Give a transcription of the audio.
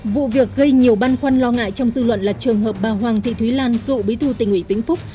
vụ việc gây nhiều băn khoăn lo ngại trong dư luận là trường hợp bà hoàng thị thúy lan cựu bí thư tỉnh ủy vĩnh phúc